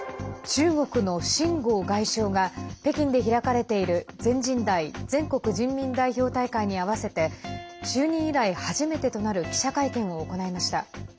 中国の秦剛外相が北京で開かれている全人代＝全国人民代表大会に合わせて就任以来、初めてとなる記者会見を行いました。